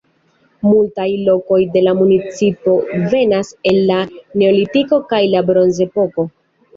Multaj lokoj de la municipo venas el la Neolitiko kaj la Bronzepoko.